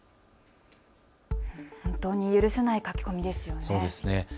本当に許せない書き込みです。